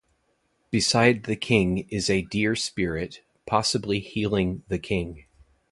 Beside the king is a deer spirit, possibly healing the king.